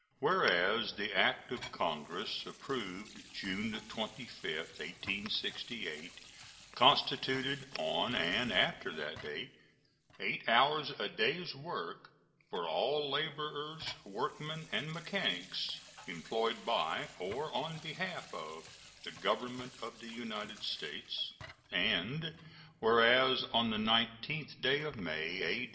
Whereas the act of Congress approved June 25, 1868, constituted, on and after that date, eight hours a day's work for all laborers, workmen, and mechanics employed by or on behalf of the Government of the United States; and Whereas on the 19th day of May, A.